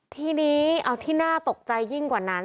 ทีนี้เอาที่น่าตกใจยิ่งกว่านั้น